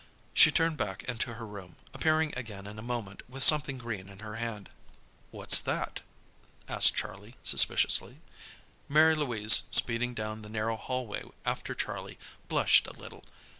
She turned back into her room, appearing again in a moment with something green in her hand. "What's that?" asked Charlie, suspiciously. Mary Louise, speeding down the narrow hallway after Charlie, blushed a little.